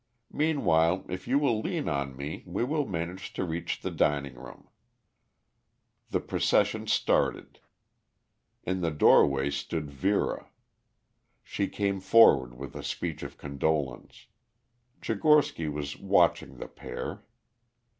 Meanwhile, if you will lean on me we will manage to reach the dining room." The procession started. In the doorway stood Vera. She came forward with a speech of condolence. Tchigorsky was watching the pair.